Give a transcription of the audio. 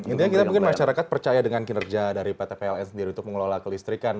intinya kita mungkin masyarakat percaya dengan kinerja dari pt pln sendiri untuk mengelola kelistrikan